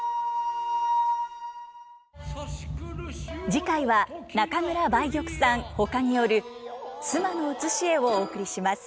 次回は中村梅玉さんほかによる「須磨の写絵」をお送りします。